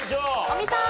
尾美さん。